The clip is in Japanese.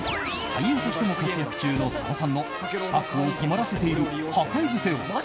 俳優としても活躍中の佐野さんのスタッフを困らせている破壊癖をＭ！